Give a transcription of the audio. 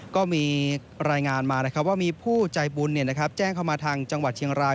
ก็มีรายงานมาว่ามีผู้ใจบุญแจ้งเข้ามาทางจังหวัดเชียงราย